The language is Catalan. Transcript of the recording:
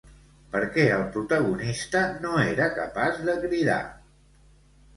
Per què el protagonista no era capaç de cridar?